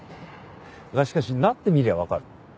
がしかしなってみりゃわかる。